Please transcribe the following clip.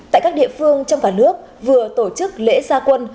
tại các địa phương trong cả nước vừa tổ chức lễ gia quân